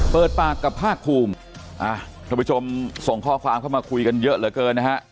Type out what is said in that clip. เปิดปากกับภาคภูมิท่านผู้ชมส่งข้อความเข้ามาคุยกันเยอะเหลือเกินนะฮะ